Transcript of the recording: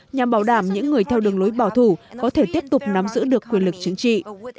nhằm bảo đảm những người theo đường lối bảo thủ có thể tiếp tục nắm giữ được quyền lực chính trị